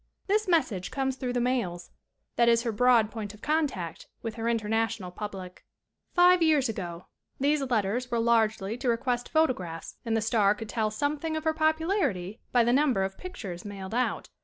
This message comes through the mails; that is her broad point of contact with her international public. IX Five years ago these letters were largely to request photographs and the star could tell something of her popularity by the number of pictures mailed out.